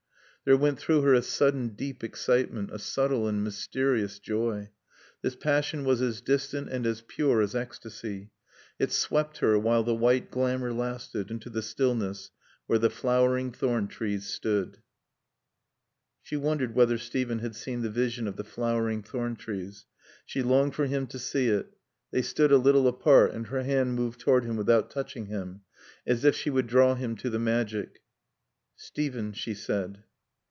There went through her a sudden deep excitement, a subtle and mysterious joy. This passion was as distant and as pure as ecstasy. It swept her, while the white glamour lasted, into the stillness where the flowering thorn trees stood. She wondered whether Steven had seen the vision of the flowering thorn trees. She longed for him to see it. They stood a little apart and her hand moved toward him without touching him, as if she would draw him to the magic. "Steven " she said.